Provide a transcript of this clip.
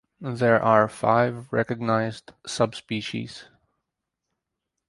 There are five recognized subspecies.